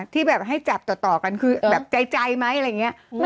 ที่แบบให้จับต่อกันคือแบบใจไหมอะไรอย่างนี้